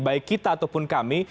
baik kita ataupun kami